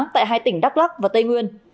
tại hai tỉnh đắk lắc và tây nguyên